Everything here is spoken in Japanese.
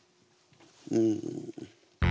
うん。